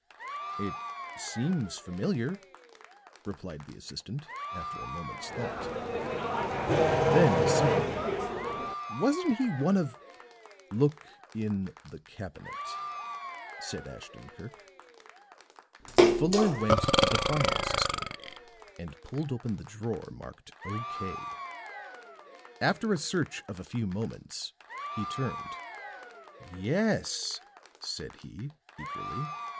"It seems familiar," replied the assistant, after a moment's thought. Then suddenly: "Wasn't he one of " "Look in the cabinet," said Ashton Kirk. Fuller went to the filing system and pulled open the drawer marked "OK." After a search of a few moments he turned. "Yes," said he, eagerly.